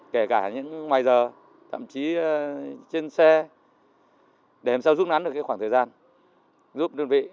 kể cả những ngoài giờ thậm chí trên xe để làm sao rút ngắn được khoảng thời gian giúp đơn vị